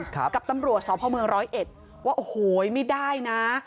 กับตำรวจศพเมือง๑๐๑ว่าโอ้โหยไม่ได้นะ